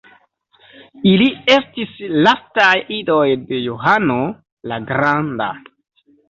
Ili estis lastaj idoj de Johano la Granda.